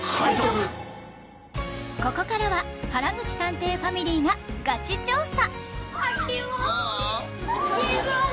ここからは原口探偵ファミリーがガチ調査